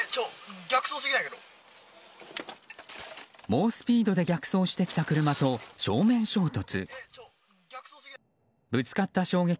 猛スピードで逆走してきた車と正面衝突。